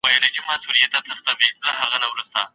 د الله په بښنه پوره باور ولرئ.